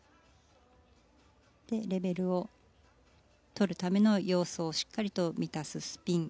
レベルをとるための要素をしっかりと満たすスピン。